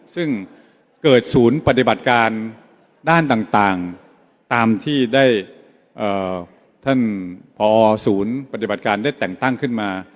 ซึ่งเกิดศูนย์ปฏิบัติการด้านต่างตามที่ได้ท่านพอศูนย์ปฏิบัติการได้แต่งตั้งขึ้นมา